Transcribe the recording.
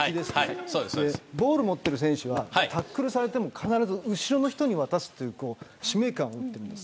ボールを持っている選手はタックルされても必ず後ろの人に渡すという使命感を持っているんです。